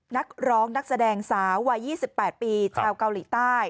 นักร้องนักแสดงสาววัย๒๘ปีชาวเกาหลีใต้